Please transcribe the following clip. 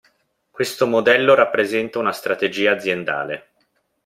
Questo modello rappresenta una strategia aziendale.